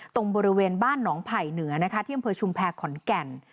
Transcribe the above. ตรงบริเวณบ้านหนองไผ่เหนือนะคะที่อำเภอชุมแพรขอนแก่น